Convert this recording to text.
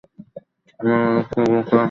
আমার আরেকটা মোকা দরকার।